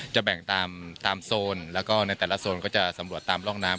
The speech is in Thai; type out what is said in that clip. จะแบ่งตามโซนแล้วก็ในแต่ละโซนก็จะสำรวจตามร่องน้ำ